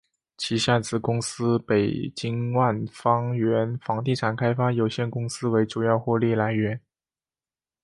旗下子公司北京万方源房地产开发有限公司为主要获利来源。